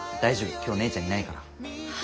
今日姉ちゃんいないから。